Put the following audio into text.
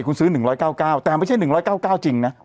คุณซื้อหนึ่งร้อยเก้าเก้าแต่มันไม่ใช่หนึ่งร้อยเก้าเก้าจริงนะ